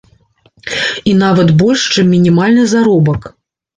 І нават больш, чым мінімальны заробак.